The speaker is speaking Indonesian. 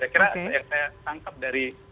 saya kira yang saya tangkap dari